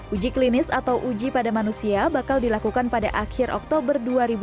uji klinis atau uji pada manusia bakal dilakukan pada akhir oktober dua ribu dua puluh